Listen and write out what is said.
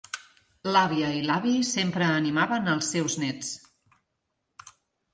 L'àvia i l'avi sempre animaven els seus nets.